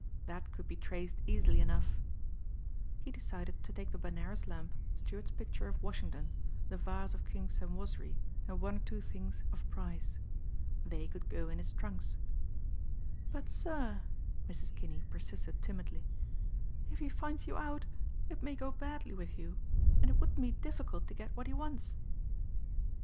"That could be traced easily enough." He decided to take the Benares lamp, Stuart's picture of Washington, the vase of King Senwosri, and one or two things of price. They could go in his trunks. "But, sir," Mrs. Kinney persisted timidly, "if he finds you out it may go badly with you and it wouldn't be difficult to get what he wants."